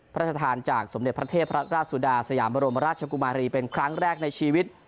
พระราชทานจากสมเด็จพระเทพราชสุดาสยามบรมราชกุมารีเป็นครั้งแรกในชีวิต